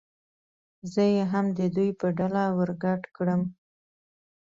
زه یې هم د دوی په ډله ور ګډ کړم.